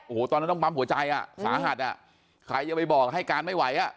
โอ้โหตอนนั้นต้องปั๊มหัวใจอ่ะสาหัสอ่ะใครจะไปบอกให้การไม่ไหวอ่ะ